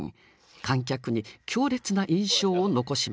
観客に強烈な印象を残しました。